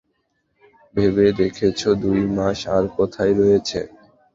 ভেবে দেখেছো দুই মাস আর কোথায় রয়েছে।